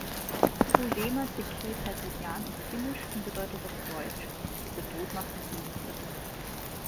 „Kuolema Tekee Taiteilijan“ ist finnisch und bedeutet auf Deutsch „Der Tod macht den Künstler“.